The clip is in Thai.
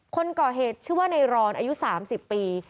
คนก่อเหตุชื่อว่าในรอนอายุ๓๐ปี